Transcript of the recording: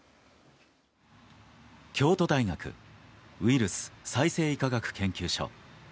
京都大学ウイルス・再生医科学研究所。